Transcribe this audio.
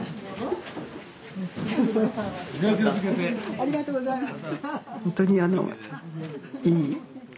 ありがとうございます。